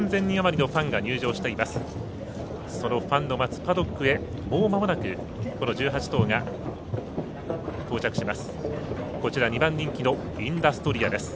そのファンの待つパドックへもうまもなく１８頭が到着します。